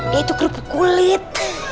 dia itu kerupuk kulit